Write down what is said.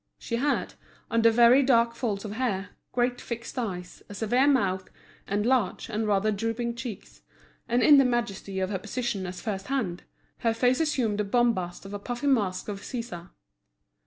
She had, under very dark folds of hair, great fixed eyes, a severe mouth, and large and rather drooping cheeks; and in the majesty of her position as first hand, her face assumed the bombast of a puffy mask of Caesar.